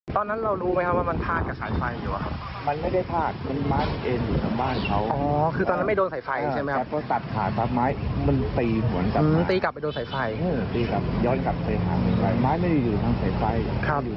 ตอนนั้นเรารู้ไหมครับว่ามันพาดกับสายไฟอยู่ครับ